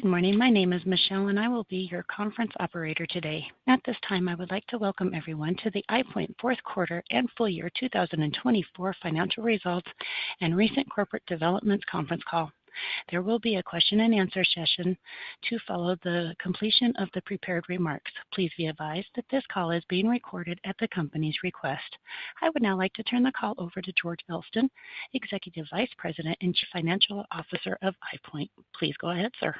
Good morning. My name is Michelle, and I will be your conference operator today. At this time, I would like to welcome everyone to the EyePoint Fourth Quarter and Full Year 2024 Financial Results and Recent Corporate Developments Conference Call. There will be a question-and-answer session to follow the completion of the prepared remarks. Please be advised that this call is being recorded at the company's request. I would now like to turn the call over to George Elston, Executive Vice President and Chief Financial Officer of EyePoint. Please go ahead, sir.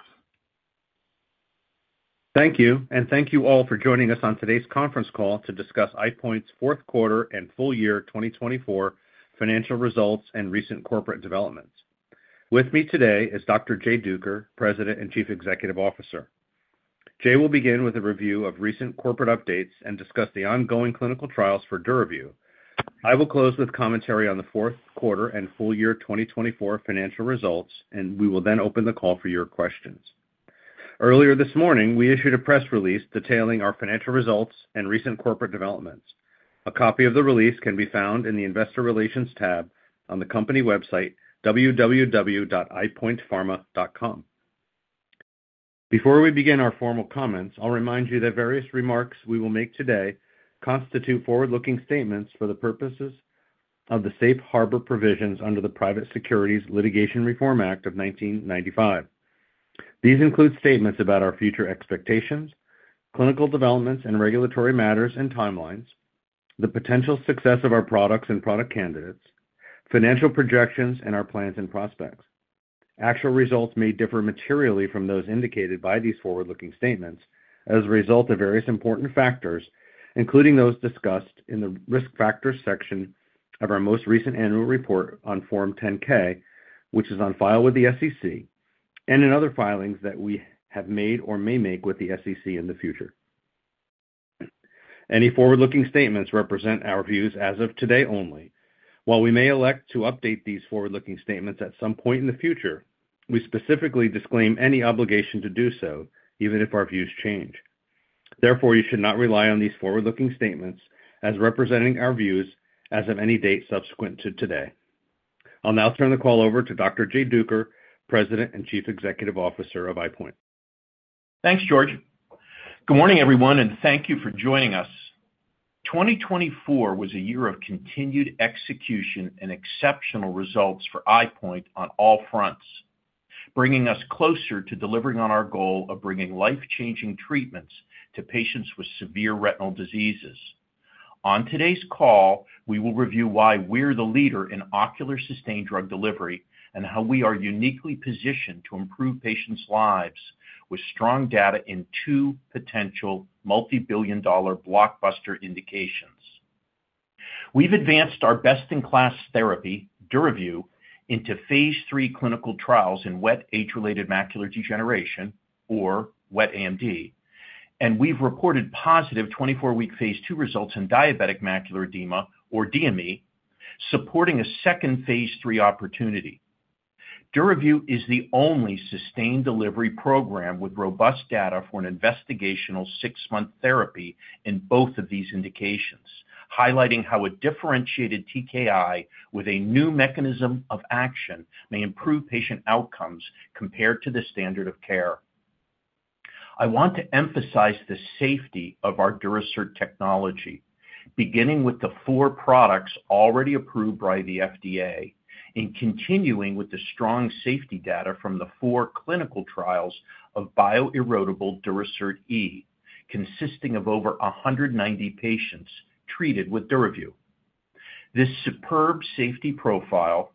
Thank you, and thank you all for joining us on today's conference call to discuss EyePoint's Fourth Quarter and Full Year 2024 Financial Results and Recent Corporate Developments. With me today is Dr. Jay Duker, President and Chief Executive Officer. Jay will begin with a review of recent corporate updates and discuss the ongoing clinical trials for DURAVYU. I will close with commentary on the Fourth Quarter and Full Year 2024 Financial Results, and we will then open the call for your questions. Earlier this morning, we issued a press release detailing our financial results and recent corporate developments. A copy of the release can be found in the Investor Relations tab on the company website, www.eyepointpharma.com. Before we begin our formal comments, I'll remind you that various remarks we will make today constitute forward-looking statements for the purposes of the Safe Harbor Provisions under the Private Securities Litigation Reform Act of 1995. These include statements about our future expectations, clinical developments and regulatory matters and timelines, the potential success of our products and product candidates, financial projections, and our plans and prospects. Actual results may differ materially from those indicated by these forward-looking statements as a result of various important factors, including those discussed in the risk factors section of our most recent annual report on Form 10-K, which is on file with the SEC, and in other filings that we have made or may make with the SEC in the future. Any forward-looking statements represent our views as of today only. While we may elect to update these forward-looking statements at some point in the future, we specifically disclaim any obligation to do so, even if our views change. Therefore, you should not rely on these forward-looking statements as representing our views as of any date subsequent to today. I'll now turn the call over to Dr. Jay Duker, President and Chief Executive Officer of EyePoint. Thanks, George. Good morning, everyone, and thank you for joining us. 2024 was a year of continued execution and exceptional results for EyePoint on all fronts, bringing us closer to delivering on our goal of bringing life-changing treatments to patients with severe retinal diseases. On today's call, we will review why we're the leader in ocular sustained drug delivery and how we are uniquely positioned to improve patients' lives with strong data in two potential multi-billion dollar blockbuster indications. We've advanced our best-in-class therapy, DURAVYU, into phase III clinical trials in wet age-related macular degeneration, or wet AMD, and we've reported positive 24-week phase II results in diabetic macular edema, or DME, supporting a second phase III opportunity. DURAVYU is the only sustained delivery program with robust data for an investigational six-month therapy in both of these indications, highlighting how a differentiated TKI with a new mechanism of action may improve patient outcomes compared to the standard of care. I want to emphasize the safety of our Duracert technology, beginning with the four products already approved by the FDA and continuing with the strong safety data from the four clinical trials of bioerodable Duracert E, consisting of over 190 patients treated with DURAVYU. This superb safety profile,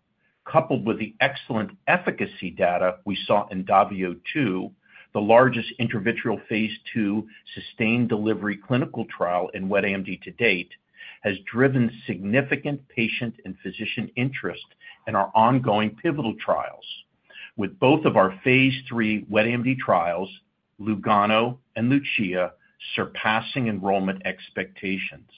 coupled with the excellent efficacy data we saw in Davio II, the largest intravitreal phase II sustained delivery clinical trial in wet AMD to date, has driven significant patient and physician interest in our ongoing pivotal trials, with both of our phase III wet AMD trials, LUGANO and LUCIA, surpassing enrollment expectations.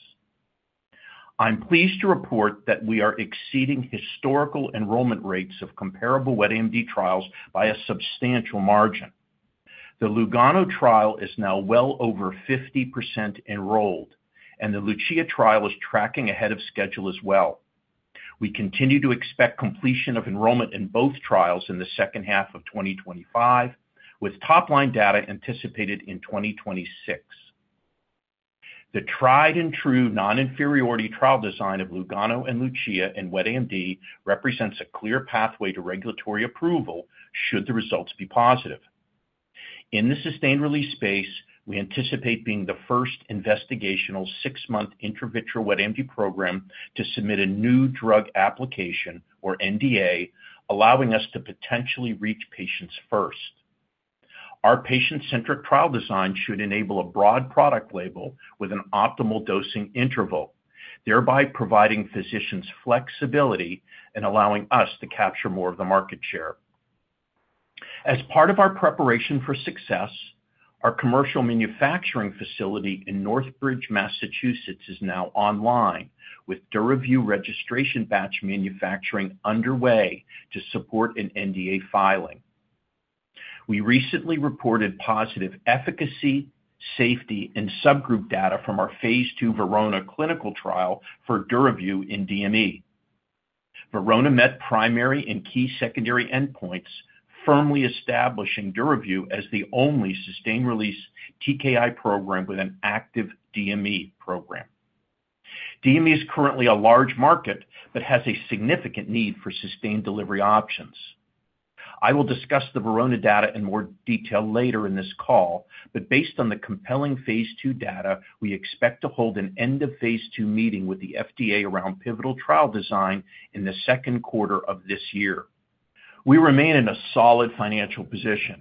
I'm pleased to report that we are exceeding historical enrollment rates of comparable wet AMD trials by a substantial margin. The LUGANO trial is now well over 50% enrolled, and the LUCIA trial is tracking ahead of schedule as well. We continue to expect completion of enrollment in both trials in the second half of 2025, with top-line data anticipated in 2026. The tried-and-true non-inferiority trial design of LUGANO and LUCIA in wet AMD represents a clear pathway to regulatory approval should the results be positive. In the sustained release space, we anticipate being the first investigational six-month intravitreal wet AMD program to submit a new drug application, or NDA, allowing us to potentially reach patients first. Our patient-centric trial design should enable a broad product label with an optimal dosing interval, thereby providing physicians flexibility and allowing us to capture more of the market share. As part of our preparation for success, our commercial manufacturing facility in Northbridge, Massachusetts, is now online with DURAVYU registration batch manufacturing underway to support an NDA filing. We recently reported positive efficacy, safety, and subgroup data from our phase II VERONA clinical trial for DURAVYU in DME. VERONA met primary and key secondary endpoints, firmly establishing DURAVYU as the only sustained release TKI program with an active DME program. DME is currently a large market but has a significant need for sustained delivery options. I will discuss the VERONA data in more detail later in this call, but based on the compelling phase II data, we expect to hold an end-of-phase II meeting with the FDA around pivotal trial design in the second quarter of this year. We remain in a solid financial position.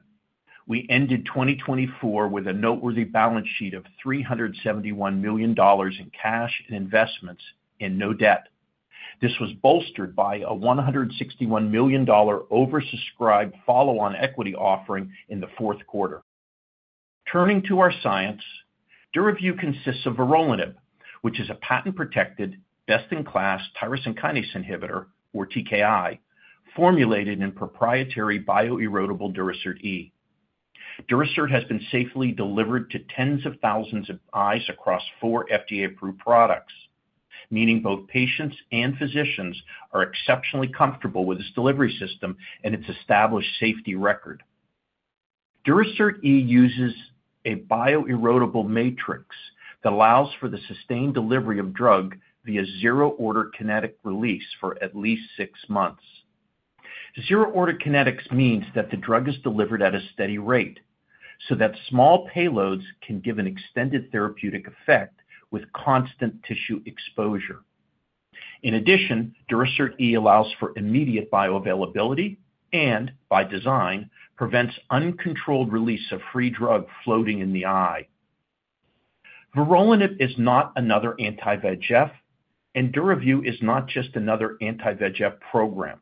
We ended 2024 with a noteworthy balance sheet of $371 million in cash and investments and no debt. This was bolstered by a $161 million oversubscribed follow-on equity offering in the fourth quarter. Turning to our science, DURAVYU consists of vorolanib, which is a patent-protected, best-in-class tyrosine kinase inhibitor, or TKI, formulated in proprietary bioerodable Duracert E. Duracert has been safely delivered to tens of thousands of eyes across four FDA-approved products, meaning both patients and physicians are exceptionally comfortable with its delivery system and its established safety record. Duracert E uses a bioerodable matrix that allows for the sustained delivery of drug via zero-order kinetic release for at least six months. Zero-order kinetics means that the drug is delivered at a steady rate so that small payloads can give an extended therapeutic effect with constant tissue exposure. In addition, Duracert E allows for immediate bioavailability and, by design, prevents uncontrolled release of free drug floating in the eye. Vorolanib is not another anti-VEGF, and DURAVYU is not just another anti-VEGF program.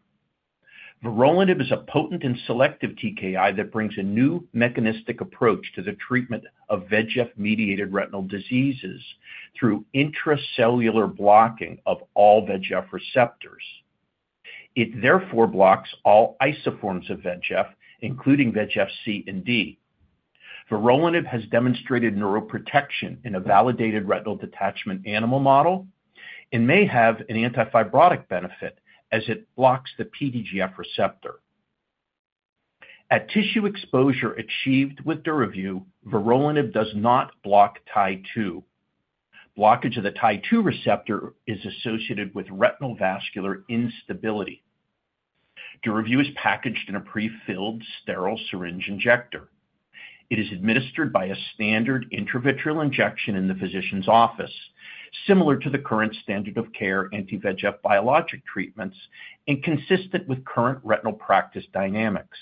Vorolanib is a potent and selective TKI that brings a new mechanistic approach to the treatment of VEGF-mediated retinal diseases through intracellular blocking of all VEGF receptors. It therefore blocks all isoforms of VEGF, including VEGF C and D. Vorolanib has demonstrated neuroprotection in a validated retinal detachment animal model and may have an antifibrotic benefit as it blocks the PDGF receptor. At tissue exposure achieved with DURAVYU, Vorolanib does not block TIE2. Blockage of the TIE2 receptor is associated with retinal vascular instability. DURAVYU is packaged in a prefilled sterile syringe injector. It is administered by a standard intravitreal injection in the physician's office, similar to the current standard of care anti-VEGF biologic treatments and consistent with current retinal practice dynamics.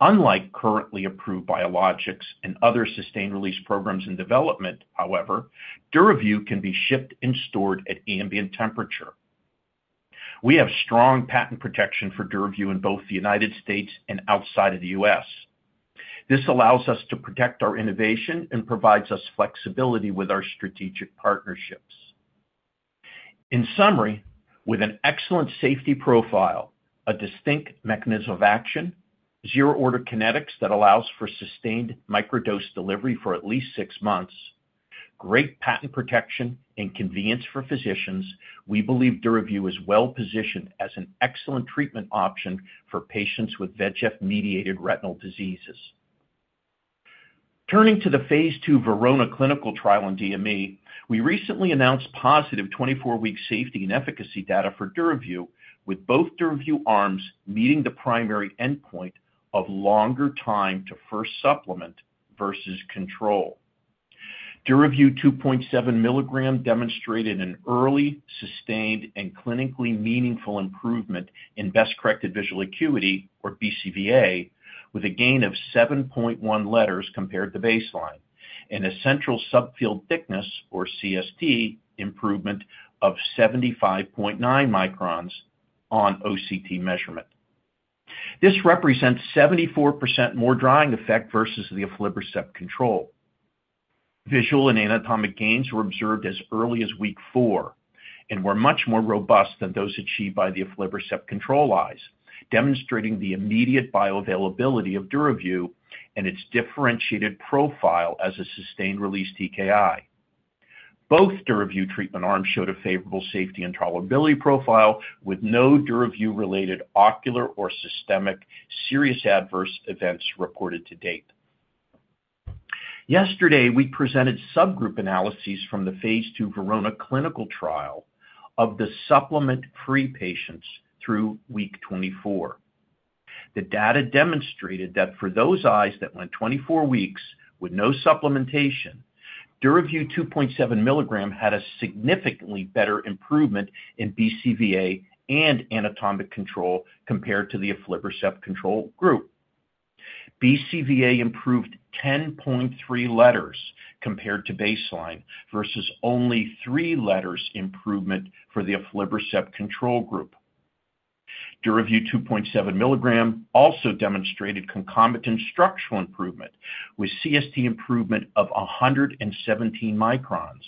Unlike currently approved biologics and other sustained release programs in development, however, DURAVYU can be shipped and stored at ambient temperature. We have strong patent protection for DURAVYU in both the United States and outside of the U.S. This allows us to protect our innovation and provides us flexibility with our strategic partnerships. In summary, with an excellent safety profile, a distinct mechanism of action, zero-order kinetics that allows for sustained microdose delivery for at least six months, great patent protection, and convenience for physicians, we believe DURAVYU is well-positioned as an excellent treatment option for patients with VEGF-mediated retinal diseases. Turning to the phase II VERONA clinical trial in DME, we recently announced positive 24-week safety and efficacy data for DURAVYU, with both DURAVYU arms meeting the primary endpoint of longer time to first supplement versus control. DURAVYU 2.7 milligram demonstrated an early, sustained, and clinically meaningful improvement in best-corrected visual acuity, or BCVA, with a gain of 7.1 letters compared to baseline and a central subfield thickness, or CST, improvement of 75.9 microns on OCT measurement. This represents 74% more drying effect versus the aflibercept control. Visual and anatomic gains were observed as early as week four and were much more robust than those achieved by the aflibercept control eyes, demonstrating the immediate bioavailability of DURAVYU and its differentiated profile as a sustained-release TKI. BothDURAVYU treatment arms showed a favorable safety and tolerability profile, with no DURAVYU-related ocular or systemic serious adverse events reported to date. Yesterday, we presented subgroup analyses from the phase II VERONA clinical trial of the supplement-free patients through week 24. The data demonstrated that for those eyes that went 24 weeks with no supplementation, DURAVYU 2.7 milligram had a significantly better improvement in BCVA and anatomic control compared to the aflibercept control group. BCVA improved 10.3 letters compared to baseline versus only 3 letters improvement for the aflibercept control group. DURAVYU 2.7 milligram also demonstrated concomitant structural improvement with CST improvement of 117 microns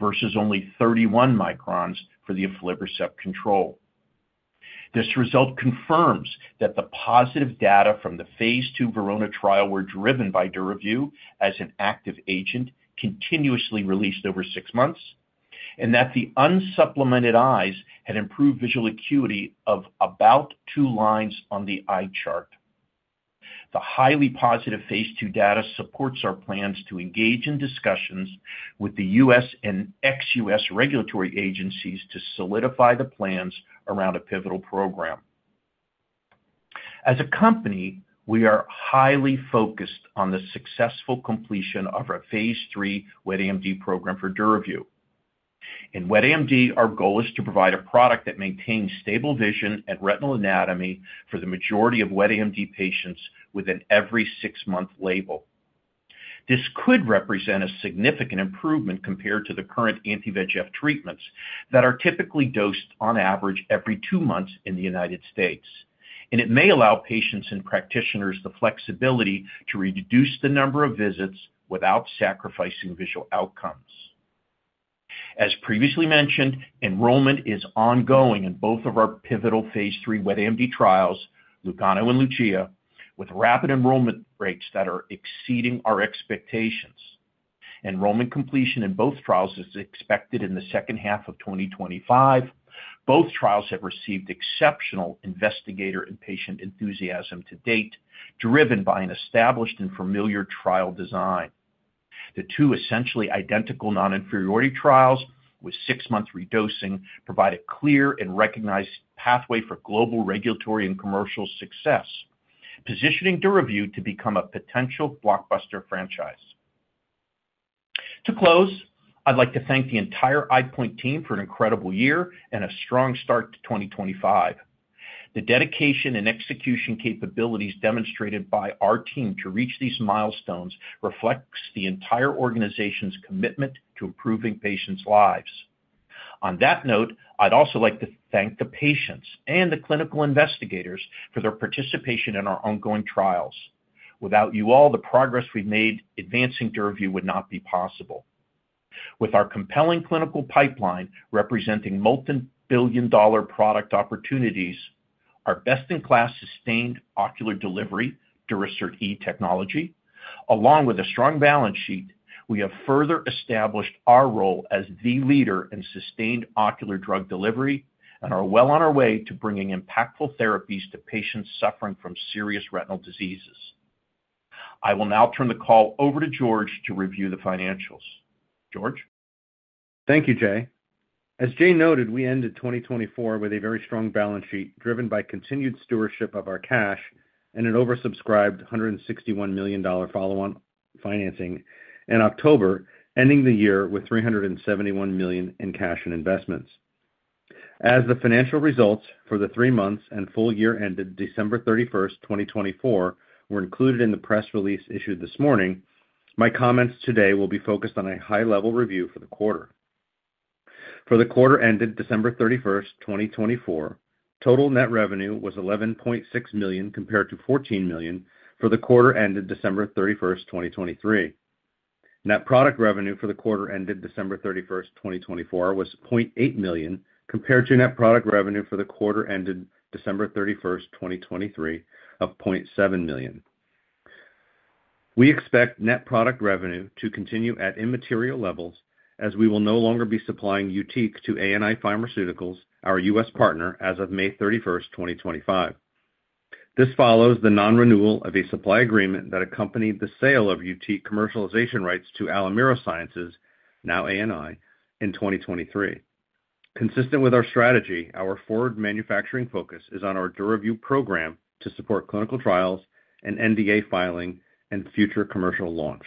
versus only 31 microns for the aflibercept control. This result confirms that the positive data from the phase II VERONA trial were driven by DURAVYU as an active agent continuously released over six months and that the unsupplemented eyes had improved visual acuity of about two lines on the eye chart. The highly positive phase II data supports our plans to engage in discussions with the U.S. and ex-U.S. regulatory agencies to solidify the plans around a pivotal program. As a company, we are highly focused on the successful completion of our phase III wet AMD program for DURAVYU. In wet AMD, our goal is to provide a product that maintains stable vision and retinal anatomy for the majority of wet AMD patients within every six-month label. This could represent a significant improvement compared to the current anti-VEGF treatments that are typically dosed on average every two months in the United States, and it may allow patients and practitioners the flexibility to reduce the number of visits without sacrificing visual outcomes. As previously mentioned, enrollment is ongoing in both of our pivotal phase III wet AMD trials, LUGANO and LUCIA, with rapid enrollment rates that are exceeding our expectations. Enrollment completion in both trials is expected in the second half of 2025. Both trials have received exceptional investigator and patient enthusiasm to date, driven by an established and familiar trial design. The two essentially identical non-inferiority trials with six-month redosing provide a clear and recognized pathway for global regulatory and commercial success, positioning DURAVYU to become a potential blockbuster franchise. To close, I'd like to thank the entire EyePoint team for an incredible year and a strong start to 2025. The dedication and execution capabilities demonstrated by our team to reach these milestones reflects the entire organization's commitment to improving patients' lives. On that note, I'd also like to thank the patients and the clinical investigators for their participation in our ongoing trials. Without you all, the progress we've made advancing DURAVYU would not be possible. With our compelling clinical pipeline representing multi-billion dollar product opportunities, our best-in-class sustained ocular delivery Duracert E technology, along with a strong balance sheet, we have further established our role as the leader in sustained ocular drug delivery and are well on our way to bringing impactful therapies to patients suffering from serious retinal diseases. I will now turn the call over to George to review the financials. George. Thank you, Jay. As Jay noted, we ended 2024 with a very strong balance sheet driven by continued stewardship of our cash and an oversubscribed $161 million follow-on financing in October, ending the year with $371 million in cash and investments. As the financial results for the three months and full year ended December 31, 2024, were included in the press release issued this morning, my comments today will be focused on a high-level review for the quarter. For the quarter ended December 31, 2024, total net revenue was $11.6 million compared to $14 million for the quarter ended December 31, 2023. Net product revenue for the quarter ended December 31, 2024, was $0.8 million compared to net product revenue for the quarter ended December 31, 2023, of $0.7 million. We expect net product revenue to continue at immaterial levels as we will no longer be supplying UTIQ to ANI Pharmaceuticals, our U.S. partner, as of May 31, 2025. This follows the non-renewal of a supply agreement that accompanied the sale of UTIQ commercialization rights to Alimera Sciences, now ANI, in 2023. Consistent with our strategy, our forward manufacturing focus is on our DURAVYU program to support clinical trials and NDA filing and future commercial launch.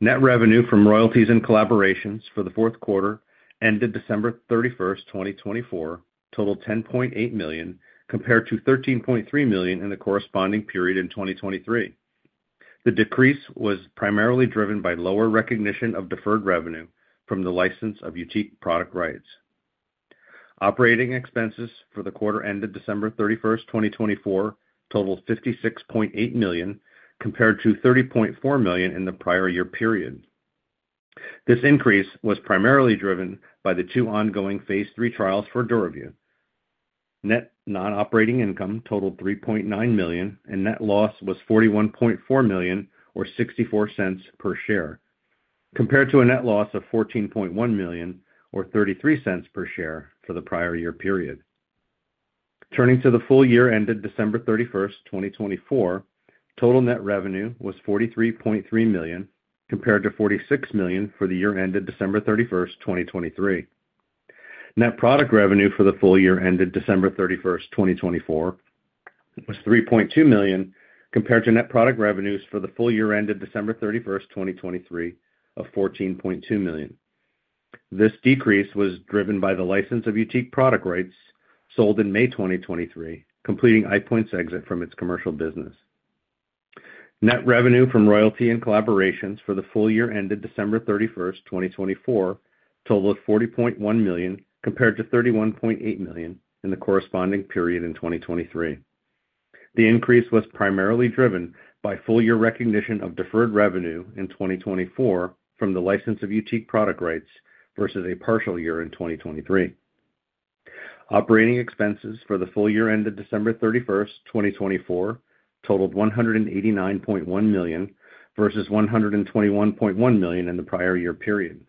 Net revenue from royalties and collaborations for the fourth quarter ended December 31, 2024, totaled $10.8 million compared to $13.3 million in the corresponding period in 2023. The decrease was primarily driven by lower recognition of deferred revenue from the license of UTIQ product rights. Operating expenses for the quarter ended December 31, 2024, totaled $56.8 million compared to $30.4 million in the prior year period. This increase was primarily driven by the two ongoing phase III trials for DURAVYU. Net non-operating income totaled $3.9 million, and net loss was $41.4 million, or $0.64 per share, compared to a net loss of $14.1 million, or $0.33 per share for the prior year period. Turning to the full year ended December 31, 2024, total net revenue was $43.3 million compared to $46 million for the year ended December 31, 2023. Net product revenue for the full year ended December 31, 2024, was $3.2 million compared to net product revenues for the full year ended December 31, 2023, of $14.2 million. This decrease was driven by the license of UTIQ product rights sold in May 2023, completing EyePoint's exit from its commercial business. Net revenue from royalty and collaborations for the full year ended December 31, 2024, totaled $40.1 million compared to $31.8 million in the corresponding period in 2023. The increase was primarily driven by full year recognition of deferred revenue in 2024 from the license of UTIQ product rights versus a partial year in 2023. Operating expenses for the full year ended December 31, 2024, totaled $189.1 million versus $121.1 million in the prior year period.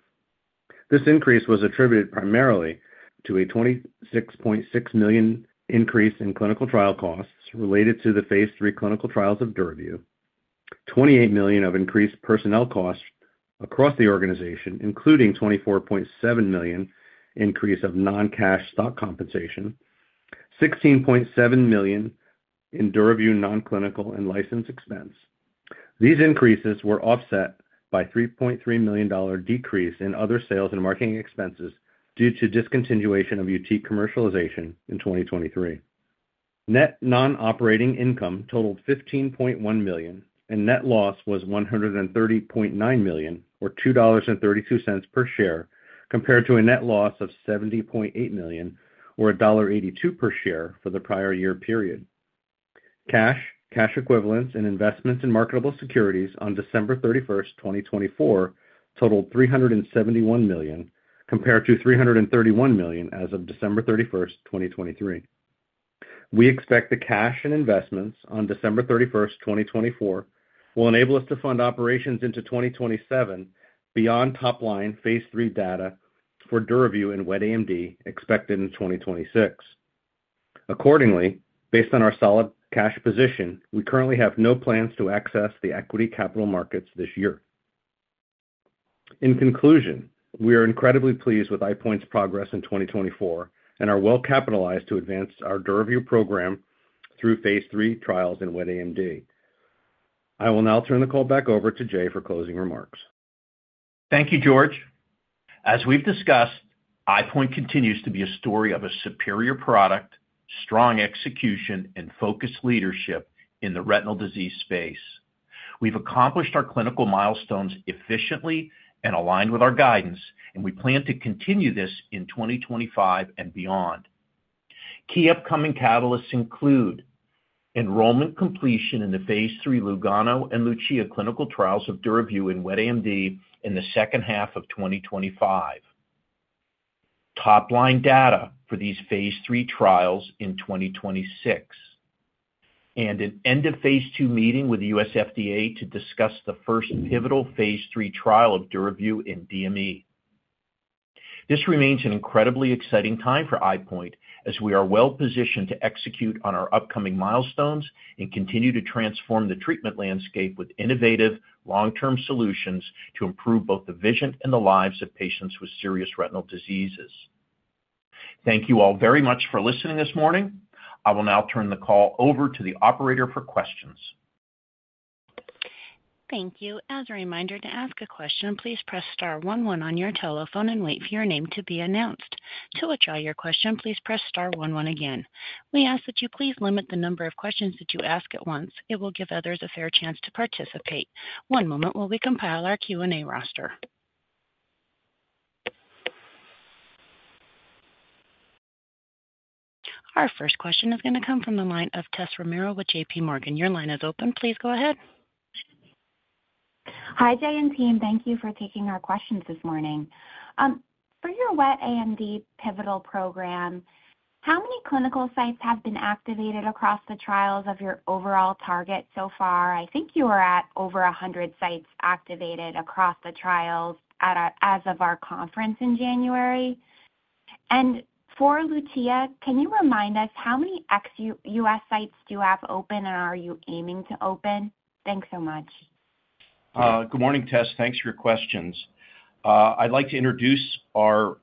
This increase was attributed primarily to a $26.6 million increase in clinical trial costs related to the phase III clinical trials of DURAVYU, $28 million of increased personnel costs across the organization, including a $24.7 million increase of non-cash stock compensation, $16.7 million in DURAVYU non-clinical and license expense. These increases were offset by a $3.3 million decrease in other sales and marketing expenses due to discontinuation of UTIQ commercialization in 2023. Net non-operating income totaled $15.1 million, and net loss was $130.9 million, or $2.32 per share, compared to a net loss of $70.8 million, or $1.82 per share for the prior year period. Cash, cash equivalents, and investments in marketable securities on December 31, 2024, totaled $371 million compared to $331 million as of December 31, 2023. We expect the cash and investments on December 31, 2024, will enable us to fund operations into 2027 beyond top-line phase III data for DURAVYU and wet AMD expected in 2026. Accordingly, based on our solid cash position, we currently have no plans to access the equity capital markets this year. In conclusion, we are incredibly pleased with EyePoint's progress in 2024 and are well-capitalized to advance our DURAVYU program through phase III trials in wet AMD. I will now turn the call back over to Jay for closing remarks. Thank you, George. As we've discussed, EyePoint continues to be a story of a superior product, strong execution, and focused leadership in the retinal disease space. We've accomplished our clinical milestones efficiently and aligned with our guidance, and we plan to continue this in 2025 and beyond. Key upcoming catalysts include enrollment completion in the phase III LUGANO and LUCIA clinical trials of DURAVYU in wet AMD in the second half of 2025, top-line data for these phase III trials in 2026, and an end-of-phase II meeting with the U.S. FDA to discuss the first pivotal phase III trial of DURAVYU in DME. This remains an incredibly exciting time for EyePoint as we are well-positioned to execute on our upcoming milestones and continue to transform the treatment landscape with innovative, long-term solutions to improve both the vision and the lives of patients with serious retinal diseases. Thank you all very much for listening this morning. I will now turn the call over to the operator for questions. Thank you. As a reminder, to ask a question, please press star one one your telephone and wait for your name to be announced. To withdraw your question, please press star one one again. We ask that you please limit the number of questions that you ask at once. It will give others a fair chance to participate. One moment while we compile our Q&A roster. Our first question is going to come from the line of Tess Romero with J.P. Morgan. Your line is open. Please go ahead. Hi, Jay and team. Thank you for taking our questions this morning. For your wet AMD pivotal program, how many clinical sites have been activated across the trials of your overall target so far? I think you are at over 100 sites activated across the trials as of our conference in January. For LUCIA, can you remind us how many ex-U.S. sites do you have open and are you aiming to open? Thanks so much. Good morning, Tess. Thanks for your questions. I'd like to introduce our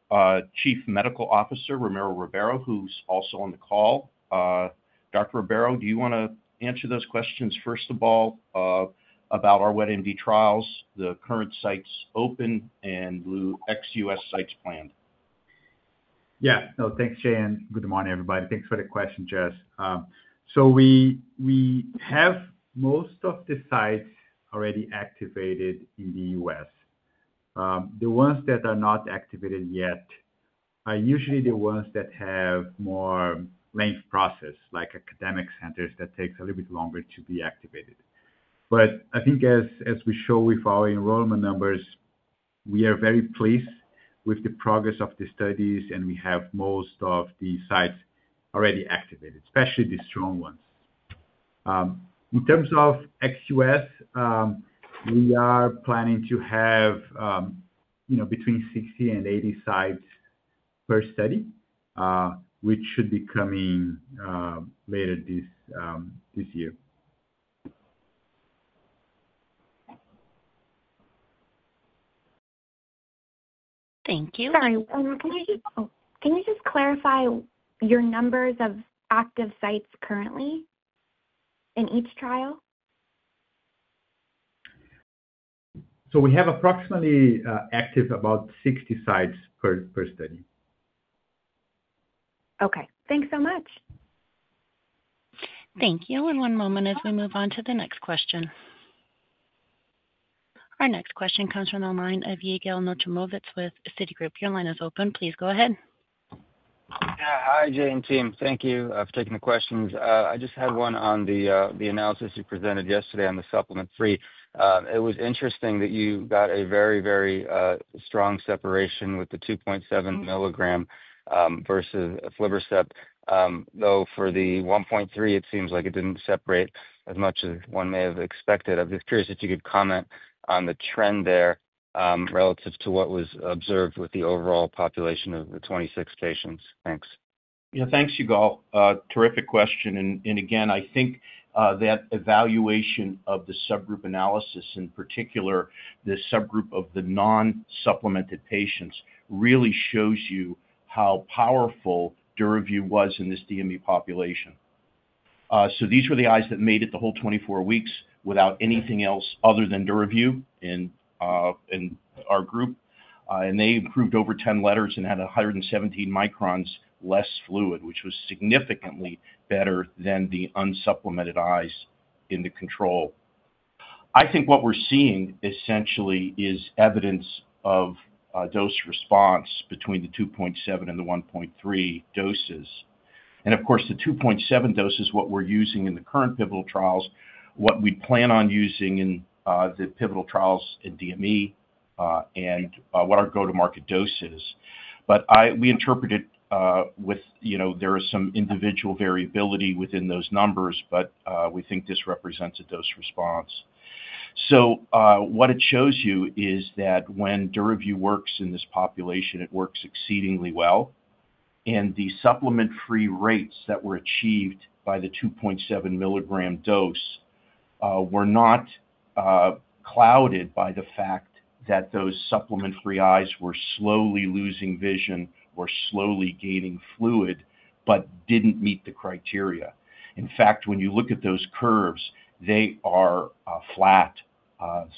Chief Medical Officer, Ramiro Ribeiro, who's also on the call. Dr. Ribeiro, do you want to answer those questions, first of all, about our wet AMD trials, the current sites open, and ex-U.S. sites planned? Yeah. No, thanks, Jay. Good morning, everybody. Thanks for the question, Jess. We have most of the sites already activated in the U.S. The ones that are not activated yet are usually the ones that have more length process, like academic centers that take a little bit longer to be activated. I think as we show with our enrollment numbers, we are very pleased with the progress of the studies, and we have most of the sites already activated, especially the strong ones. In terms of ex-U.S., we are planning to have between 60 and 80 sites per study, which should be coming later this year. Thank you. Sorry, can you just clarify your numbers of active sites currently in each trial? We have approximately active about 60 sites per study. Okay. Thanks so much. Thank you. One moment as we move on to the next question. Our next question comes from the line of Yigel Nochomovitz with Citigroup. Your line is open. Please go ahead. Yeah. Hi, Jay and team. Thank you for taking the questions. I just had one on the analysis you presented yesterday on the supplement free. It was interesting that you got a very, very strong separation with the 2.7 milligram versus Eylea, though for the 1.3, it seems like it did not separate as much as one may have expected. I am just curious if you could comment on the trend there relative to what was observed with the overall population of the 26 patients. Thanks. Yeah, thanks, Yigel. Terrific question. I think that evaluation of the subgroup analysis, in particular the subgroup of the non-supplemented patients, really shows you how powerful DURAVYU was in this DME population. These were the eyes that made it the whole 24 weeks without anything else other than DURAVYU in our group. They improved over 10 letters and had 117 microns less fluid, which was significantly better than the unsupplemented eyes in the control. I think what we're seeing essentially is evidence of dose response between the 2.7 and the 1.3 doses. Of course, the 2.7 dose is what we're using in the current pivotal trials, what we plan on using in the pivotal trials in DME, and what our go-to-market dose is. We interpret it with there is some individual variability within those numbers, but we think this represents a dose response. What it shows you is that when DURAVYU works in this population, it works exceedingly well. The supplement-free rates that were achieved by the 2.7 milligram dose were not clouded by the fact that those supplement-free eyes were slowly losing vision or slowly gaining fluid but did not meet the criteria. In fact, when you look at those curves, they are flat.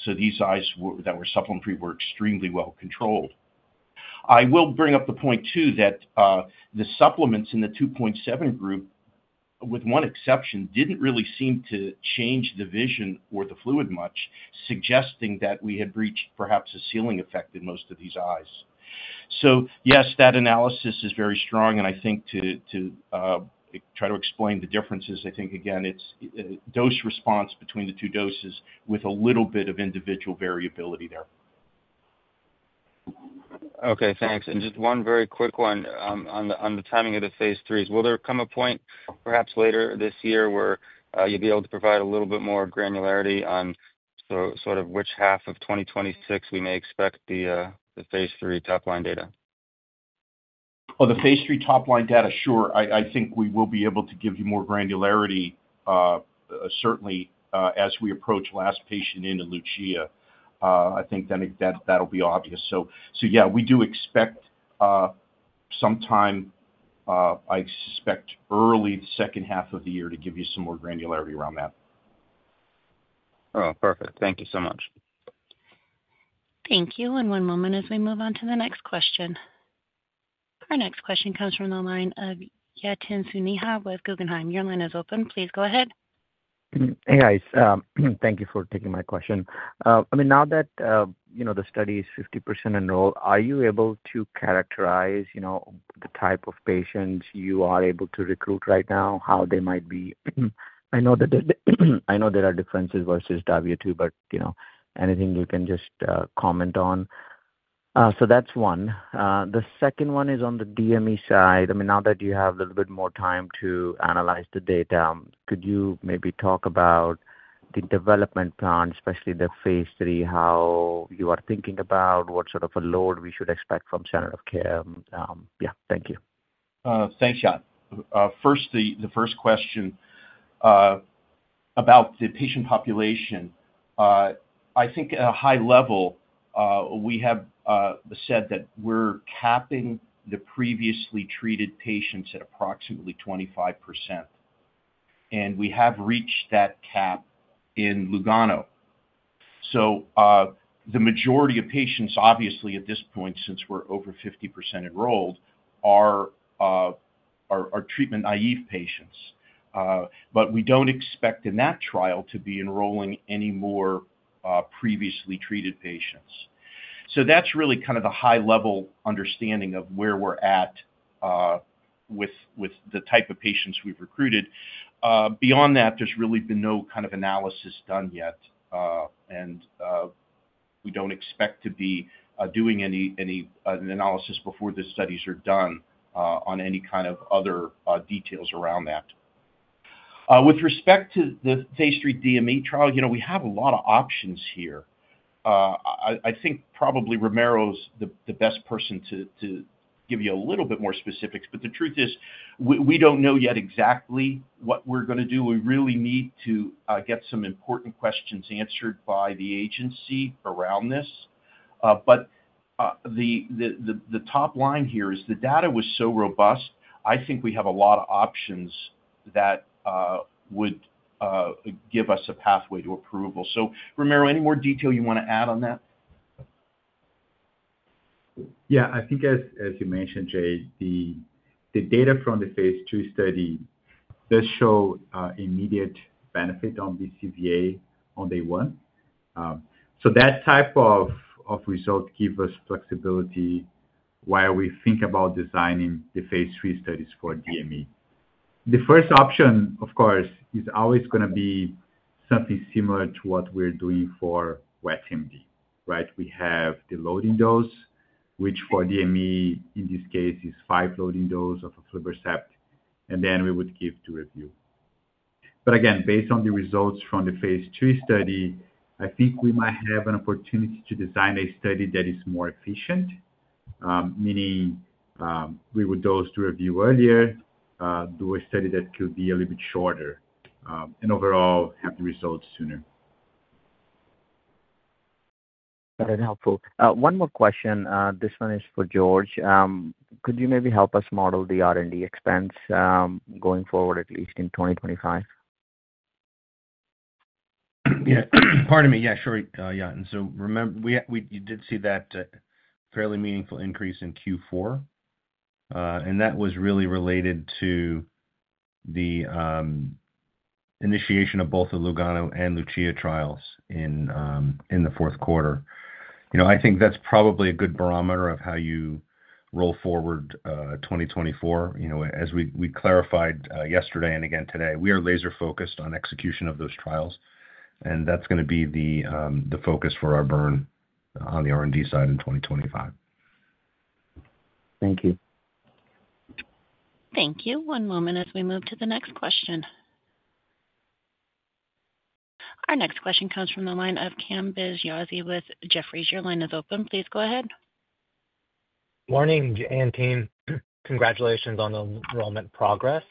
These eyes that were supplement-free were extremely well-controlled. I will bring up the point, too, that the supplements in the 2.7 group, with one exception, did not really seem to change the vision or the fluid much, suggesting that we had reached perhaps a ceiling effect in most of these eyes. Yes, that analysis is very strong. I think to try to explain the differences, I think, again, it is dose response between the two doses with a little bit of individual variability there. Okay. Thanks. Just one very quick one on the timing of the phase IIIs. Will there come a point perhaps later this year where you'll be able to provide a little bit more granularity on sort of which half of 2026 we may expect the phase III top-line data? On the phase III top-line data, sure. I think we will be able to give you more granularity, certainly, as we approach last patient in LUCIA. I think that'll be obvious. Yeah, we do expect some time, I suspect, early second half of the year to give you some more granularity around that. Oh, perfect. Thank you so much. Thank you. One moment as we move on to the next question. Our next question comes from the line of Yatin Suneja with Guggenheim. Your line is open. Please go ahead. Hey, guys. Thank you for taking my question. I mean, now that the study is 50% enrolled, are you able to characterize the type of patients you are able to recruit right now, how they might be? I know there are differences versus W2, but anything you can just comment on. That is one. The second one is on the DME side. I mean, now that you have a little bit more time to analyze the data, could you maybe talk about the development plan, especially the phase III, how you are thinking about what sort of a load we should expect from standard of care? Yeah. Thank you. Thanks. First, the first question about the patient population. I think at a high level, we have said that we are capping the previously treated patients at approximately 25%. And we have reached that cap in LUGANO. The majority of patients, obviously, at this point, since we're over 50% enrolled, are treatment naive patients. We don't expect in that trial to be enrolling any more previously treated patients. That's really kind of the high-level understanding of where we're at with the type of patients we've recruited. Beyond that, there's really been no kind of analysis done yet. We don't expect to be doing any analysis before the studies are done on any kind of other details around that. With respect to the phase III DME trial, we have a lot of options here. I think probably Ramiro's the best person to give you a little bit more specifics. The truth is, we don't know yet exactly what we're going to do. We really need to get some important questions answered by the agency around this. The top line here is the data was so robust, I think we have a lot of options that would give us a pathway to approval. Ramiro, any more detail you want to add on that? Yeah. I think, as you mentioned, Jay, the data from the phase II study does show immediate benefit on BCVA on day one. That type of result gives us flexibility while we think about designing the phase III studies for DME. The first option, of course, is always going to be something similar to what we're doing for wet AMD, right? We have the loading dose, which for DME, in this case, is five loading doses of aflibercept, and then we would give DURAVYU. Again, based on the results from the phase III study, I think we might have an opportunity to design a study that is more efficient, meaning we would dose to review earlier, do a study that could be a little bit shorter, and overall have the results sooner. That is helpful. One more question. This one is for George. Could you maybe help us model the R&D expense going forward, at least in 2025? Yeah. Pardon me. Yeah. Sure. Yeah. You did see that fairly meaningful increase in 4. That was really related to the initiation of both the LUGANO and LUCIA trials in the fourth quarter. I think that's probably a good barometer of how you roll forward 2024. As we clarified yesterday and again today, we are laser-focused on execution of those trials. That's going to be the focus for our burn on the R&D side in 2025. Thank you. Thank you. One moment as we move to the next question. Our next question comes from the line of Kambiz Yazdi with Jeffries. Your line is open. Please go ahead. Morning, Jay and team. Congratulations on the enrollment progress.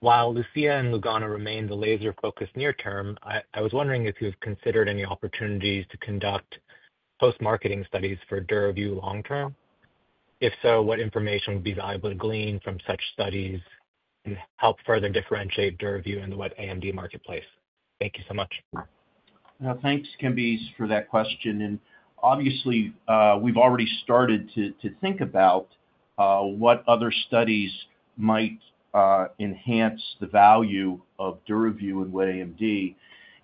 While LUCIA and LUGANO remain the laser-focused near-term, I was wondering if you've considered any opportunities to conduct post-marketing studies for DURAVYU long-term. If so, what information would be valuable to glean from such studies and help further differentiate DURAVYU in the wet AMD marketplace? Thank you so much. Thanks, Kambiz, for that question. Obviously, we've already started to think about what other studies might enhance the value of DURAVYU in wet AMD.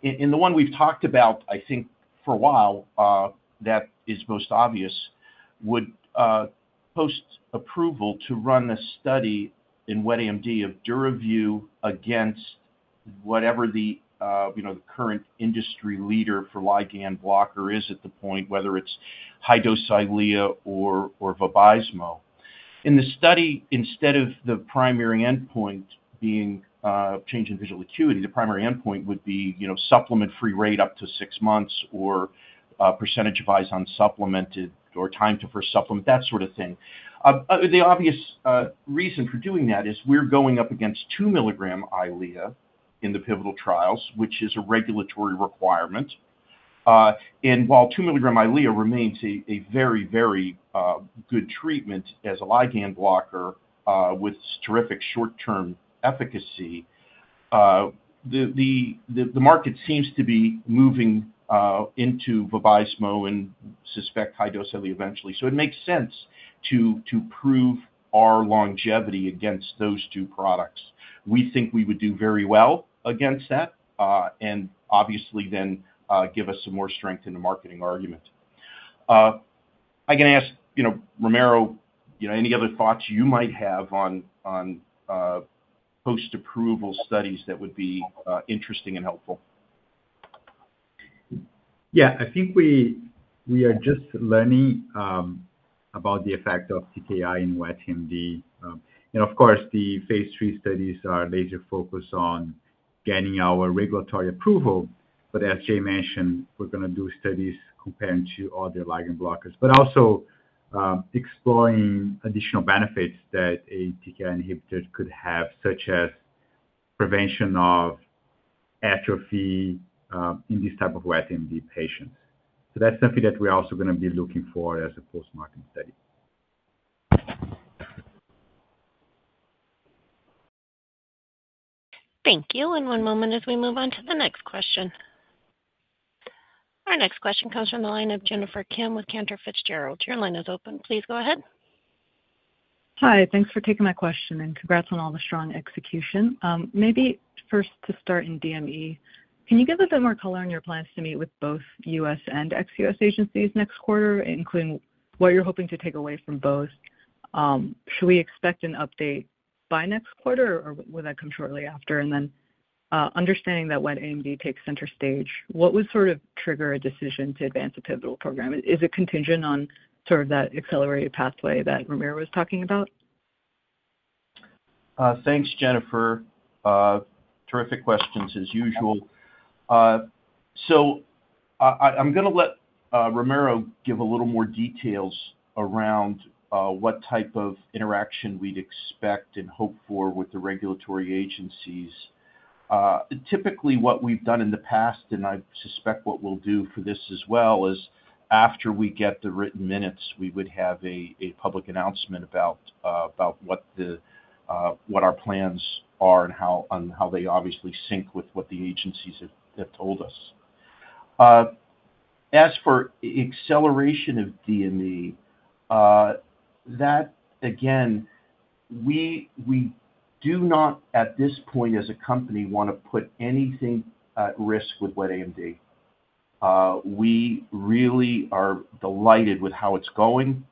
The one we've talked about, I think, for a while, that is most obvious, would post-approval to run a study in wet AMD of DURAVYU against whatever the current industry leader for ligand blocker is at the point, whether it's high-dose Eylea or Vabysmo. In the study, instead of the primary endpoint being change in visual acuity, the primary endpoint would be supplement-free rate up to six months or percentage of eyes unsupplemented or time to first supplement, that sort of thing. The obvious reason for doing that is we're going up against 2 milligram Eylea in the pivotal trials, which is a regulatory requirement. And while 2 milligram Eylea remains a very, very good treatment as a ligand blocker with terrific short-term efficacy, the market seems to be moving into Vabysmo and suspect high-dose Eylea eventually. It makes sense to prove our longevity against those two products. We think we would do very well against that and obviously then give us some more strength in the marketing argument. I can ask Ramiro any other thoughts you might have on post-approval studies that would be interesting and helpful. Yeah. I think we are just learning about the effect of TKI in wet AMD. And of course, the phase III studies are laser-focused on gaining our regulatory approval. As Jay mentioned, we're going to do studies comparing to other ligand blockers, but also exploring additional benefits that a TKI inhibitor could have, such as prevention of atrophy in these types of wet AMD patients. That is something that we're also going to be looking for as a post-market study. Thank you. One moment as we move on to the next question. Our next question comes from the line of Jennifer Kim with Cantor Fitzgerald. Your line is open. Please go ahead. Hi. Thanks for taking my question. And congrats on all the strong execution. Maybe first to start in DME, can you give a bit more color on your plans to meet with both U.S. and ex-U.S. agencies next quarter, including what you're hoping to take away from both? Should we expect an update by next quarter, or will that come shortly after? And then understanding that wet AMD takes center stage, what would sort of trigger a decision to advance a pivotal program? Is it contingent on sort of that accelerated pathway that Romero was talking about? Thanks, Jennifer. Terrific questions, as usual. I'm going to let Ramiro give a little more details around what type of interaction we'd expect and hope for with the regulatory agencies. Typically, what we've done in the past, and I suspect what we'll do for this as well, is after we get the written minutes, we would have a public announcement about what our plans are and how they obviously sync with what the agencies have told us. As for acceleration of DME, that, again, we do not, at this point as a company, want to put anything at risk with wet AMD. We really are delighted with how it's going.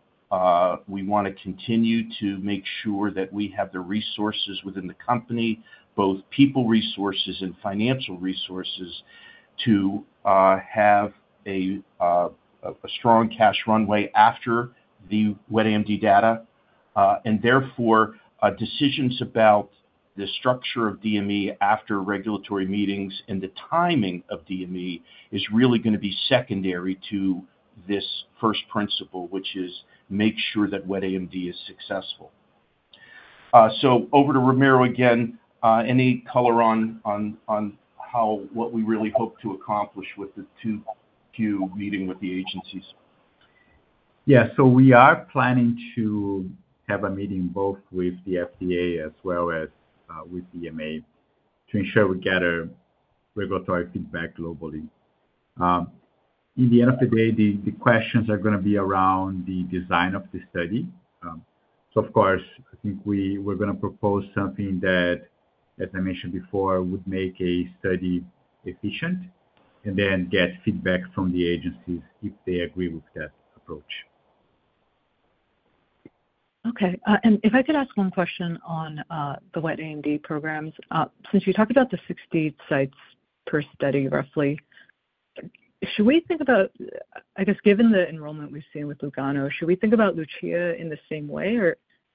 We want to continue to make sure that we have the resources within the company, both people resources and financial resources, to have a strong cash runway after the wet AMD data. Therefore, decisions about the structure of DME after regulatory meetings and the timing of DME is really going to be secondary to this first principle, which is make sure that wet AMD is successful. Over to Ramiro again. Any color on what we really hope to accomplish with the two-view meeting with the agencies? Yeah. We are planning to have a meeting both with the FDA as well as with EMA to ensure we get regulatory feedback globally. In the end of the day, the questions are going to be around the design of the study. I think we're going to propose something that, as I mentioned before, would make a study efficient and then get feedback from the agencies if they agree with that approach. Okay. If I could ask one question on the wet AMD programs, since you talked about the 60 sites per study, roughly, should we think about, I guess, given the enrollment we've seen with LUGANO, should we think about LUCIA in the same way,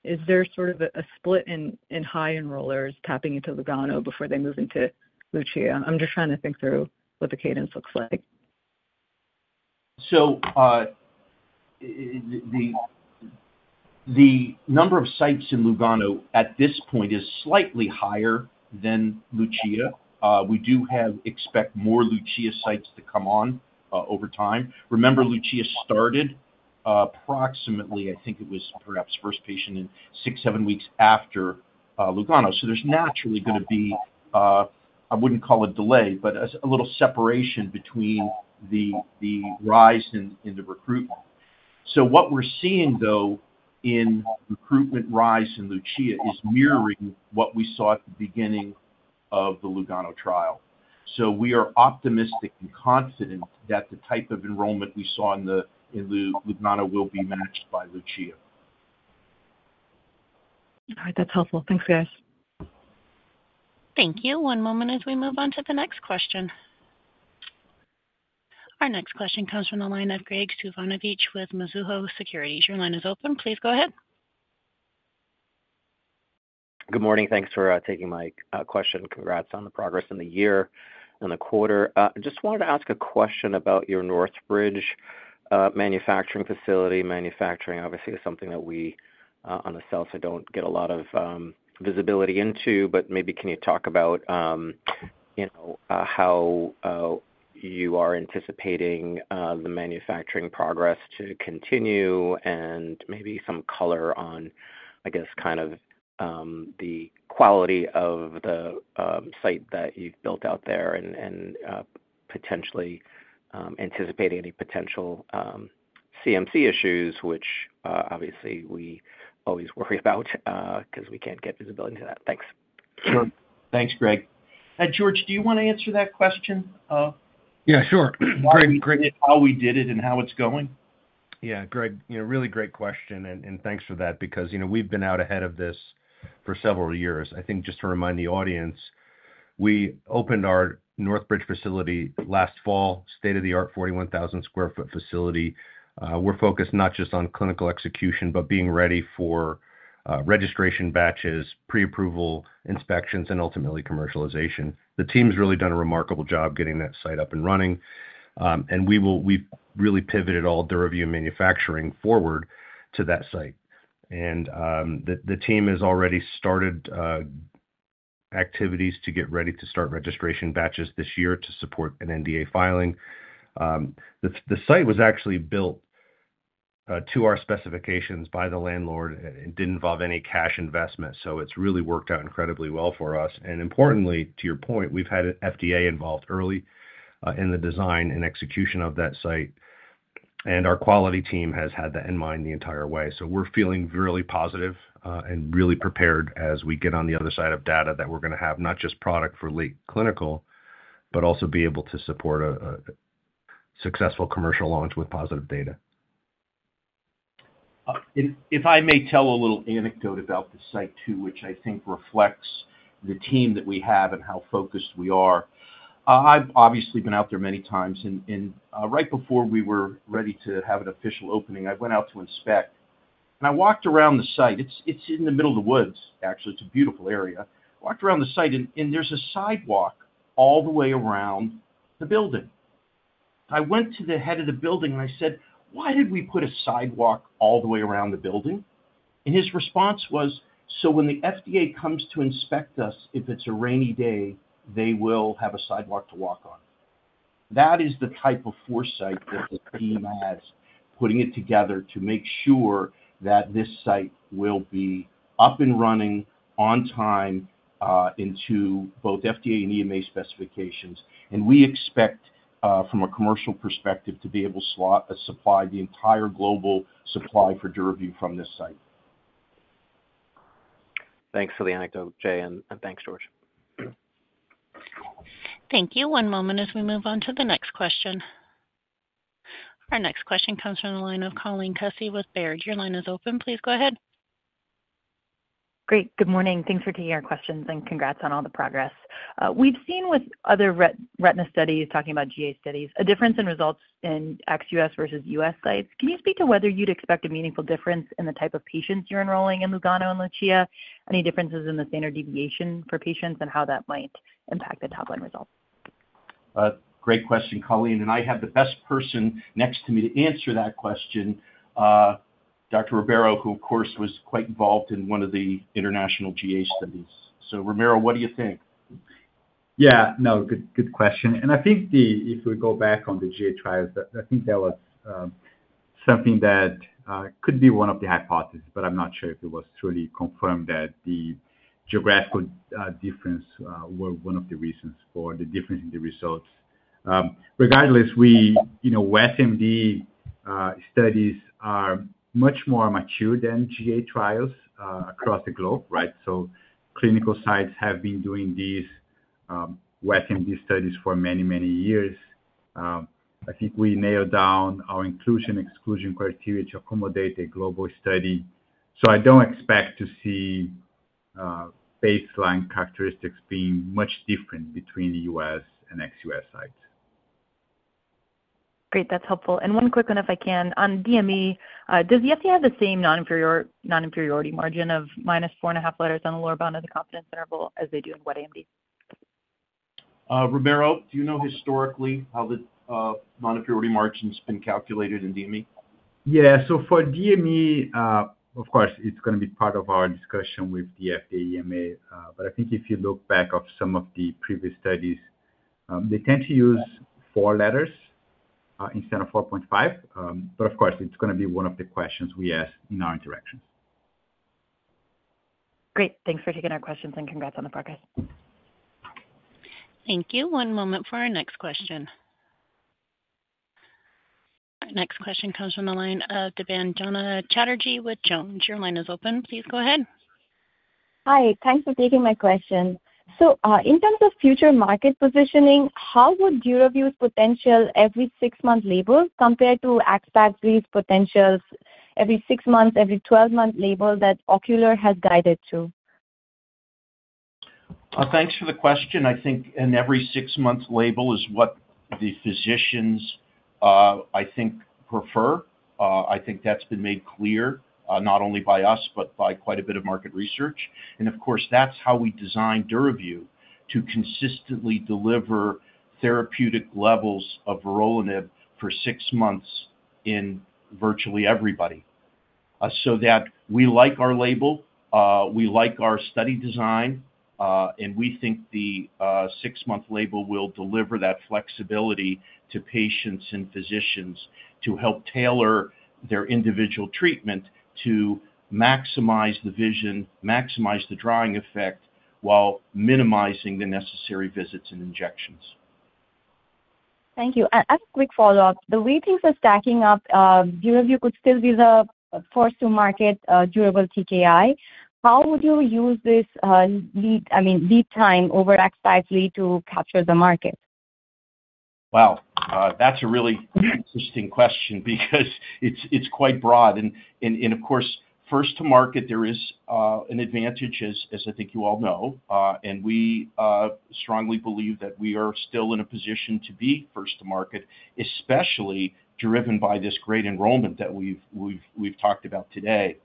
or is there sort of a split in high enrollers tapping into LUGANO before they move into LUCIA? I'm just trying to think through what the cadence looks like. The number of sites in LUGANO at this point is slightly higher than LUCIA. We do expect more LUCIA sites to come on over time. Remember, LUCIA started approximately, I think it was perhaps first patient in six, seven weeks after LUGANO. There's naturally going to be, I wouldn't call it delay, but a little separation between the rise in the recruitment. What we're seeing, though, in recruitment rise in LUCIA is mirroring what we saw at the beginning of the LUGANO trial. We are optimistic and confident that the type of enrollment we saw in LUGANO will be matched by LUCIA. All right. That's helpful. Thanks, guys. Thank you. One moment as we move on to the next question. Our next question comes from the line of Gregg Moskowitz with Mizuho Securities. Your line is open. Please go ahead. Good morning. Thanks for taking my question. Congrats on the progress in the year and the quarter. I just wanted to ask a question about your Northbridge manufacturing facility. Manufacturing, obviously, is something that we, on the South, don't get a lot of visibility into. Maybe can you talk about how you are anticipating the manufacturing progress to continue and maybe some color on, I guess, kind of the quality of the site that you've built out there and potentially anticipating any potential CMC issues, which obviously we always worry about because we can't get visibility into that. Sure. Thanks, Greg. And George, do you want to answer that question? Yeah. Sure. Greg, how we did it and how it's going? Yeah. Greg, really great question. And thanks for that because we've been out ahead of this for several years. I think just to remind the audience, we opened our Northbridge facility last fall, state-of-the-art 41,000 sq ft facility. We're focused not just on clinical execution, but being ready for registration batches, pre-approval, inspections, and ultimately commercialization. The team's really done a remarkable job getting that site up and running. We have really pivoted all DURAVYU manufacturing forward to that site. The team has already started activities to get ready to start registration batches this year to support an NDA filing. The site was actually built to our specifications by the landlord. It did not involve any cash investment. It has really worked out incredibly well for us. Importantly, to your point, we have had FDA involved early in the design and execution of that site. Our quality team has had that in mind the entire way. We are feeling really positive and really prepared as we get on the other side of data that we are going to have not just product for late clinical, but also be able to support a successful commercial launch with positive data. If I may tell a little anecdote about the site too, which I think reflects the team that we have and how focused we are. I've obviously been out there many times. Right before we were ready to have an official opening, I went out to inspect. I walked around the site. It's in the middle of the woods, actually. It's a beautiful area. I walked around the site, and there's a sidewalk all the way around the building. I went to the head of the building, and I said, "Why did we put a sidewalk all the way around the building?" His response was, "So when the FDA comes to inspect us, if it's a rainy day, they will have a sidewalk to walk on." That is the type of foresight that the team has, putting it together to make sure that this site will be up and running on time into both FDA and EMA specifications. We expect, from a commercial perspective, to be able to supply the entire global supply for DURAVYU from this site. Thanks for the anecdote, Jay. Thanks, George. Thank you. One moment as we move on to the next question. Our next question comes from the line of Colleen Kusy with Baird. Your line is open. Please go ahead. Great. Good morning. Thanks for taking our questions. Congrats on all the progress. We've seen with other retina studies, talking about GA studies, a difference in results in ex-U.S. versus U.S. sites. Can you speak to whether you'd expect a meaningful difference in the type of patients you're enrolling in LUGANO and LUCIA? Any differences in the standard deviation for patients and how that might impact the top-line results? Great question, Colleen. I have the best person next to me to answer that question, Dr. Ribeiro, who, of course, was quite involved in one of the international GA studies. Romero, what do you think? Yeah. No. Good question. I think if we go back on the GA trials, I think that was something that could be one of the hypotheses, but I'm not sure if it was truly confirmed that the geographical difference were one of the reasons for the difference in the results. Regardless, wet AMD studies are much more mature than GA trials across the globe, right? Clinical sites have been doing these wet AMD studies for many, many years. I think we nailed down our inclusion/exclusion criteria to accommodate a global study. I do not expect to see baseline characteristics being much different between the U.S. and ex-U.S. sites. Great. That is helpful. One quick one, if I can. On DME, does the FDA have the same non-inferiority margin of minus four and a half letters on the lower bound of the confidence interval as they do in wet AMD? Ramiro, do you know historically how the non-inferiority margin has been calculated in DME? Yeah. For DME, of course, it is going to be part of our discussion with the FDA and EMA. I think if you look back at some of the previous studies, they tend to use four letters instead of 4.5. Of course, it's going to be one of the questions we ask in our interactions. Great. Thanks for taking our questions. Congrats on the progress. Thank you. One moment for our next question. Our next question comes from the line of Debora Jorn Chatterjee with Jones. Your line is open. Please go ahead. Hi. Thanks for taking my question. In terms of future market positioning, how would DURAVYU's potential every six-month label compare to AXPAXLI potential every six months, every 12-month label that Ocular has guided to? Thanks for the question. I think an every six-month label is what the physicians, I think, prefer. I think that's been made clear not only by us, but by quite a bit of market research. Of course, that's how we design DURAVYU to consistently deliver therapeutic levels of vorolanib for six months in virtually everybody. We like our label, we like our study design, and we think the six-month label will deliver that flexibility to patients and physicians to help tailor their individual treatment to maximize the vision, maximize the drying effect while minimizing the necessary visits and injections. Thank you. As a quick follow-up, the rating for stacking up, DURAVYU could still be the first-to-market durable TKI. How would you use this, I mean, lead time over Axpac's lead to capture the market? Wow. That's a really interesting question because it's quite broad. Of course, first-to-market, there is an advantage, as I think you all know. We strongly believe that we are still in a position to be first-to-market, especially driven by this great enrollment that we've talked about today.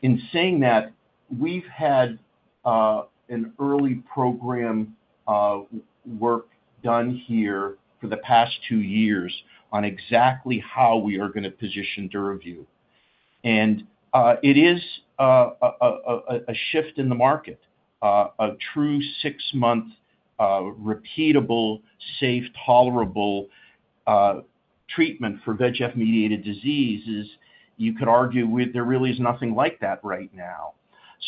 In saying that, we've had an early program work done here for the past two years on exactly how we are going to position DURAVYU. It is a shift in the market. A true six-month repeatable, safe, tolerable treatment for wet AMD-mediated disease is, you could argue, there really is nothing like that right now.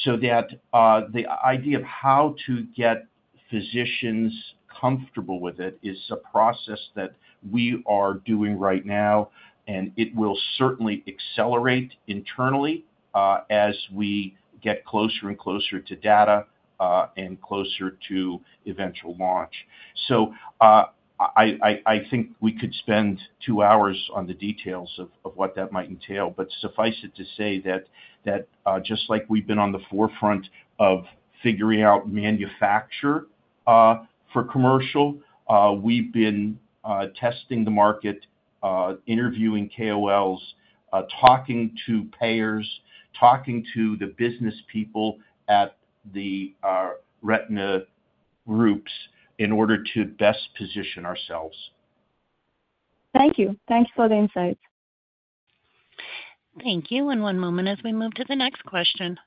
The idea of how to get physicians comfortable with it is a process that we are doing right now. It will certainly accelerate internally as we get closer and closer to data and closer to eventual launch. I think we could spend two hours on the details of what that might entail. Suffice it to say that just like we've been on the forefront of figuring out manufacture for commercial, we've been testing the market, interviewing KOLs, talking to payers, talking to the business people at the retina groups in order to best position ourselves. Thank you. Thanks for the insights. Thank you. One moment as we move to the next question.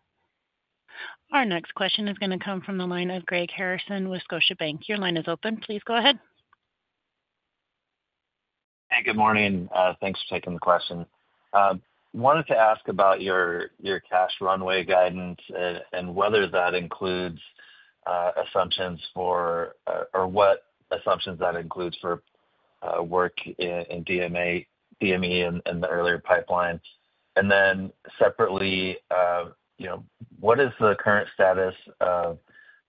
Our next question is going to come from the line of Greg Harrison with Scotiabank. Your line is open. Please go ahead. Hey, good morning. Thanks for taking the question. Wanted to ask about your cash runway guidance and whether that includes assumptions for or what assumptions that includes for work in DME and the earlier pipeline. Separately, what is the current status of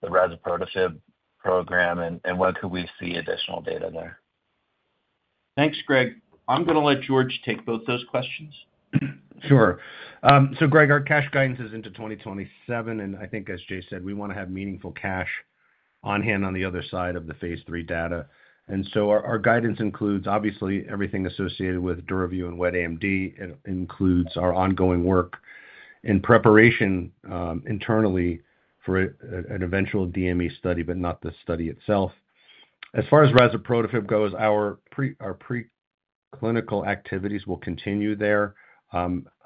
the Razuprotafib program, and when could we see additional data there? Thanks, Greg. I'm going to let George take both those questions. Sure. Greg, our cash guidance is into 2027. I think, as Jay said, we want to have meaningful cash on hand on the other side of the phase three data. Our guidance includes, obviously, everything associated with DURAVYU and wet AMD. It includes our ongoing work in preparation internally for an eventual DME study, but not the study itself. As far as Razepotifib goes, our preclinical activities will continue there.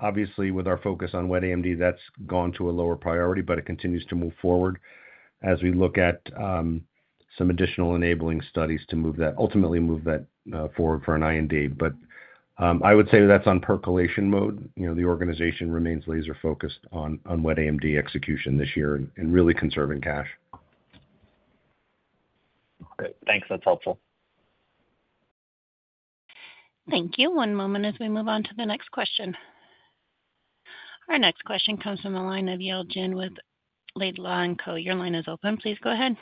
Obviously, with our focus on wet AMD, that's gone to a lower priority, but it continues to move forward as we look at some additional enabling studies to ultimately move that forward for an IND. I would say that's on percolation mode. The organization remains laser-focused on wet AMD execution this year and really conserving cash. Great. Thanks. That's helpful. Thank you. One moment as we move on to the next question. Our next question comes from the line of Yale Jen with Laidlaw & Co. Your line is open. Please go ahead.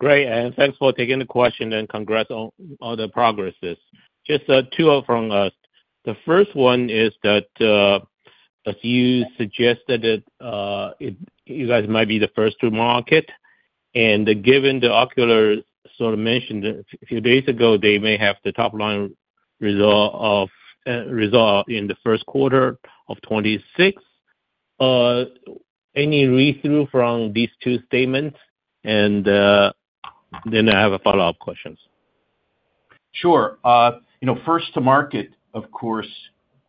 Great. Thanks for taking the question. Congrats on all the progresses. Just two from us. The first one is that you suggested that you guys might be the first to market. Given the Ocular sort of mentioned a few days ago, they may have the top-line result in the first quarter of 2026. Any read-through from these two statements? I have a follow-up question. Sure. First-to-market, of course,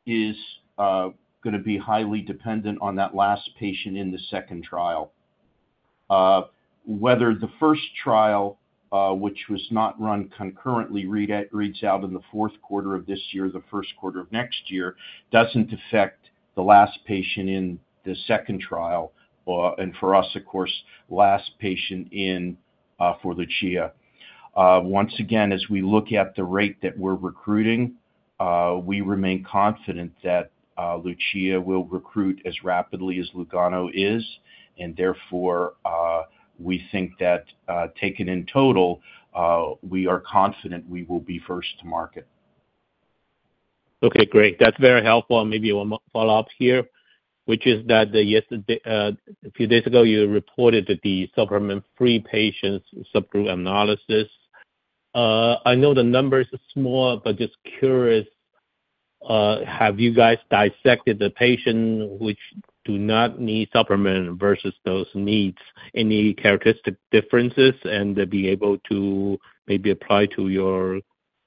is going to be highly dependent on that last patient in the second trial. Whether the first trial, which was not run concurrently, reads out in the fourth quarter of this year or the first quarter of next year, it does not affect the last patient in the second trial. For us, of course, last patient in for LUCIA. Once again, as we look at the rate that we're recruiting, we remain confident that LUCIA will recruit as rapidly as LUGANO is. Therefore, we think that taken in total, we are confident we will be first-to-market. Okay. Great. That's very helpful. Maybe one follow-up here, which is that a few days ago, you reported that the supplement-free patients' subgroup analysis. I know the numbers are small, but just curious, have you guys dissected the patients which do not need supplement versus those needs? Any characteristic differences and be able to maybe apply to your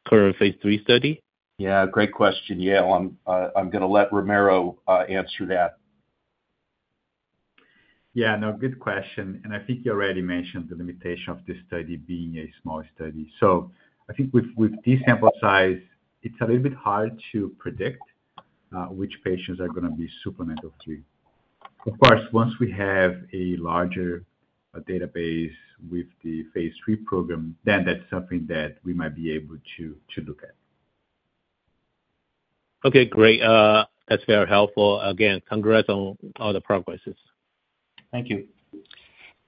current phase three study? Yeah. Great question. I'm going to let Ramiro answer that. Yeah. No. Good question. I think you already mentioned the limitation of this study being a small study. I think with this emphasized, it's a little bit hard to predict which patients are going to be supplemental-free. Of course, once we have a larger database with the phase three program, then that's something that we might be able to look at. Okay. Great. That's very helpful. Again, congrats on all the progresses. Thank you.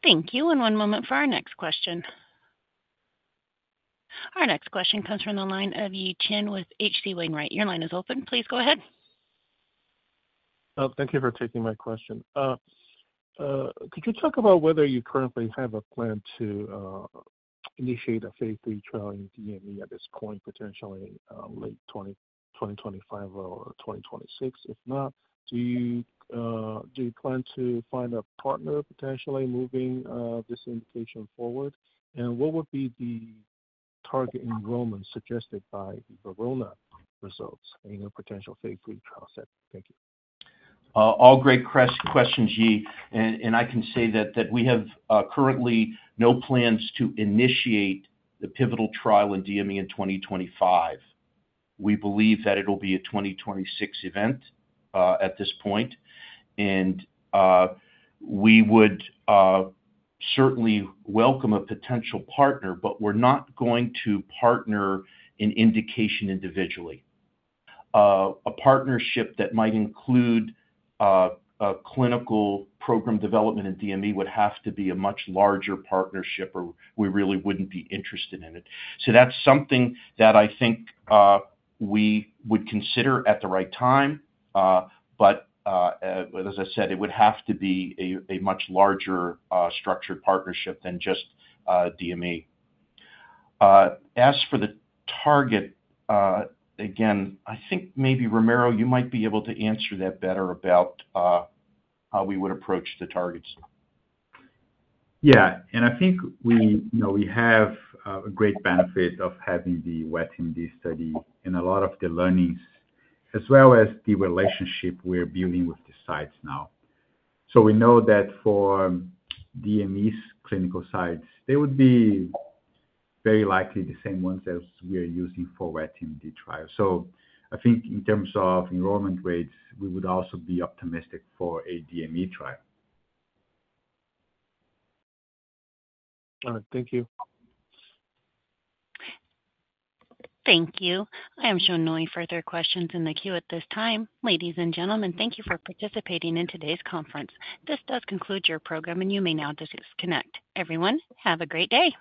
Thank you. One moment for our next question. Our next question comes from the line of Yi Chen with H.C. Wainwright. Your line is open. Please go ahead. Thank you for taking my question. Could you talk about whether you currently have a plan to initiate a phase three trial in DME at this point, potentially late 2025 or 2026? If not, do you plan to find a partner potentially moving this indication forward? What would be the target enrollment suggested by the VERONA results in a potential phase III trial set? Thank you. All great questions, Yie. I can say that we have currently no plans to initiate the pivotal trial in DME in 2025. We believe that it'll be a 2026 event at this point. We would certainly welcome a potential partner, but we're not going to partner in indication individually. A partnership that might include clinical program development in DME would have to be a much larger partnership, or we really wouldn't be interested in it. That is something that I think we would consider at the right time. As I said, it would have to be a much larger structured partnership than just DME. As for the target, again, I think maybe Ramiro, you might be able to answer that better about how we would approach the targets. Yeah. I think we have a great benefit of having the wet AMD study and a lot of the learnings as well as the relationship we're building with the sites now. We know that for DME's clinical sites, they would be very likely the same ones as we are using for wet AMD trials. I think in terms of enrollment rates, we would also be optimistic for a DME trial. All right. Thank you. Thank you. I am showing no further questions in the queue at this time. Ladies and gentlemen, thank you for participating in today's conference. This does conclude your program, and you may now disconnect. Everyone, have a great day.